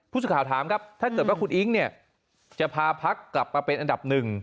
ผู้สื่อข่าวถามครับถ้าเกิดว่าคุณอิ๊งเนี่ยจะพาพักกลับมาเป็นอันดับหนึ่ง